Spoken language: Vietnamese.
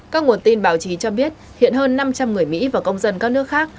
các nguồn tin báo chí cho biết hiện hơn năm trăm linh người mỹ và công dân các nước khác